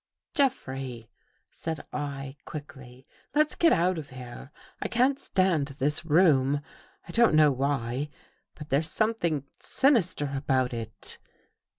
" Jeffrey," said I quickly, " let's get out of here. I can't stand this room. I don't know why, but there's something sinister about It."